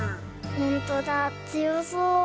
ほんとだつよそう。